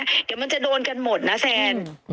สนใจจะโดนกันหมดนะแซน